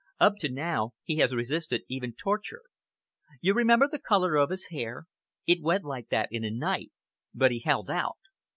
Up to now, he has resisted even torture. You remember the color of his hair? It went like that in a night, but he held out.